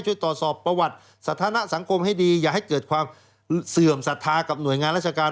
ช่วยตรวจสอบประวัติสถานะสังคมให้ดีอย่าให้เกิดความเสื่อมศรัทธากับหน่วยงานราชการ